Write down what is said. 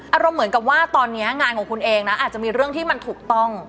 เหมือนกับว่าตอนนี้งานของคุณเองนะอาจจะมีเรื่องที่มันถูกต้อง